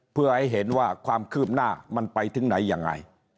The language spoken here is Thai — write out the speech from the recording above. เพื่อให้เห็นว่าความคืบหน้ามันไปถึงไหนยังไง